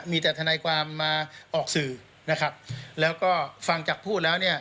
มีแต่ทนายความมาออกสื่อนะครับแล้วก็ฟังจากพูดแล้วเนี่ย